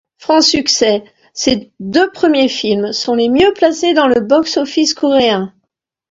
Franc succès, ses deux premiers films sont les mieux placés dans le box-office coréen.